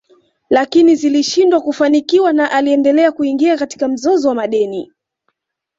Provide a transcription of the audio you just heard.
Lakini zilishindwa kufanikiwa na aliendelea kuingia katika mzozo wa madeni